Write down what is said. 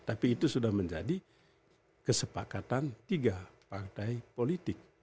tapi itu sudah menjadi kesepakatan tiga partai politik